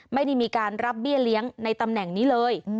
ไม่ได้มีการรับเบี้ยเลี้ยงในตำแหน่งนี้เลย